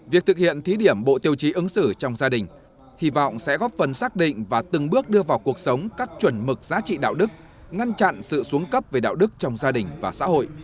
việc thực hiện thí điểm bộ tiêu chí ứng xử trong gia đình hy vọng sẽ góp phần xác định và từng bước đưa vào cuộc sống các chuẩn mực giá trị đạo đức ngăn chặn sự xuống cấp về đạo đức trong gia đình và xã hội